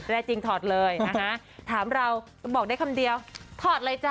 ได้จริงถอดเลยนะคะถามเราบอกได้คำเดียวถอดเลยจ้